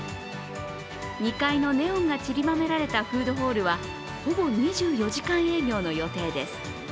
２階のネオンがちりばめられたフードホールはほぼ２４時間営業の予定です。